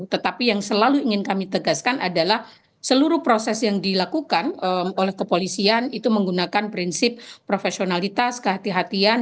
tetapi yang selalu ingin kami tegaskan adalah seluruh proses yang dilakukan oleh kepolisian itu menggunakan prinsip profesionalitas kehatian